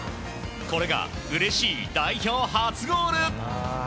これがうれしい代表初ゴール！